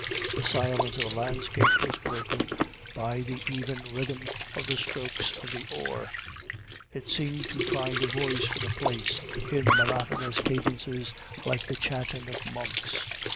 The silence of the landscape was broken by the even rhythm of the strokes of the oar; it seemed to find a voice for the place, in monotonous cadences like the chanting of monks.